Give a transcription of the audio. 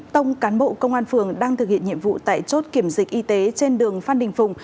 tông cán bộ công an phường đang thực hiện nhiệm vụ tại chốt kiểm dịch y tế trên đường phan đình phùng